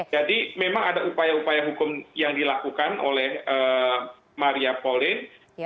jadi memang ada upaya upaya hukum yang dilakukan oleh maria polin